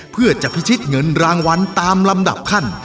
เพื่อจะพิชิตเงินรางวัลตามลำดับขั้น